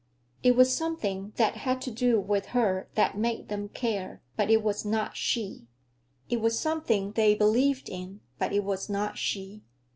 It was something that had to do with her that made them care, but it was not she. It was something they believed in, but it was not she.